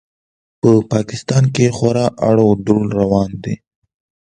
په پاکستان کې خورا اړ و دوړ روان دی.